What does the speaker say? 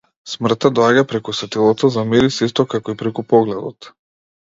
Смртта доаѓа преку сетилото за мирис исто како и преку погледот.